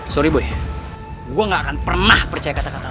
sorry boy gua gak akan pernah percaya kata kata lu